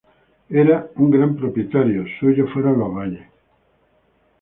Era un gran propietario, suyos fueron los valles.